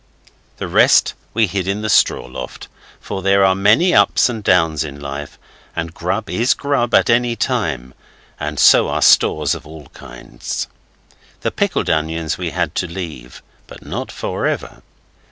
The rest we hid in the straw loft, for there are many ups and downs in life, and grub is grub at any time, and so are stores of all kinds. The pickled onions we had to leave, but not for ever.